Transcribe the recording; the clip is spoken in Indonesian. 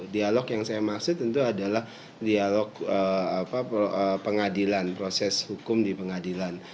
dialog yang saya maksud tentu adalah dialog pengadilan proses hukum di pengadilan